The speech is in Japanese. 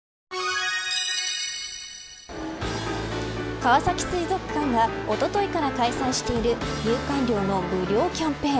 川崎水族館がおとといから開催している入館料の無料キャンペーン。